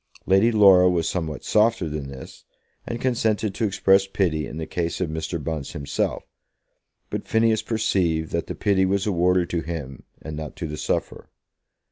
Lady Laura was somewhat softer than this, and consented to express pity in the case of Mr. Bunce himself; but Phineas perceived that the pity was awarded to him and not to the sufferer.